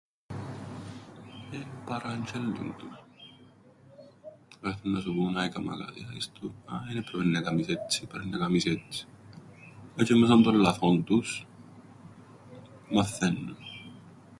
"Ε, παραντζ̆έλλουν τους. Όταν έρτουν να σου πουν ""α, έκαμα λάθη"", άησ' τον, ""α, εν έπρεπεν να κάμεις έτσι, έπρεπεν να κάμεις έτσι"". Ε τζ̆αι μέσων των λαθών τους, μαθαίννουν."